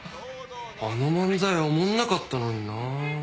あの漫才おもんなかったのになぁ。